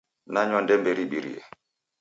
Nanywa ndembe ribirie